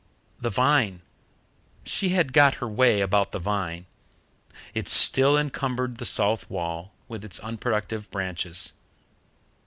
The vine she had got her way about the vine. It still encumbered the south wall with its unproductive branches.